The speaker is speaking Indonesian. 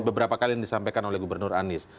beberapa kali yang disampaikan oleh gubernur anies